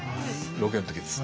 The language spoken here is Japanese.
ロケの時です。